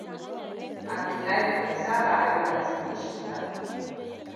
Abdullahi bai saba a yi watsi da shi ba.